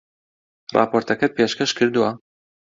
ڕاپۆرتەکەت پێشکەش کردووە؟